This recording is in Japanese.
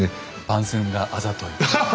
番宣があざとい。